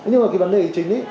nhưng mà cái vấn đề chính